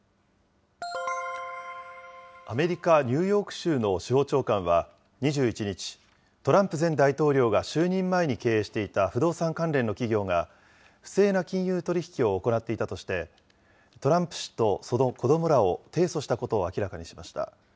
アメリカ・ニューヨーク州の司法長官は２１日、トランプ前大統領が就任前に経営していた不動産関連の企業が不正な金融取り引きを行っていたとして、トランプ氏とその子どもらを提訴したことを明らかにしました。